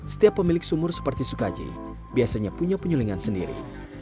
setiap pemilik sumur seperti sukaji biasanya punya penyulingan sendiri